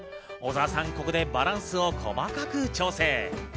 小澤さん、ここでバランスを細かく調整。